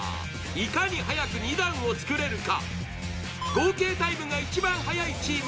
いかに早く２段を作れるか。